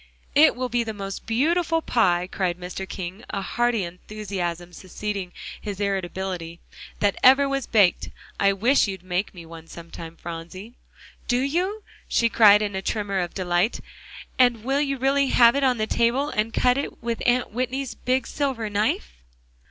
"It will be the most beautiful pie," cried Mr. King, a hearty enthusiasm succeeding his irritability, "that ever was baked. I wish you'd make me one sometime, Phronsie." "Do you?" she cried in a tremor of delight, "and will you really have it on the table, and cut it with Aunt Whitney's big silver knife?"